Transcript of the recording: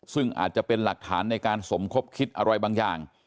ซึ่งอาจจะเป็นหลักฐานในการสมคบคิดอะไรบางอย่าง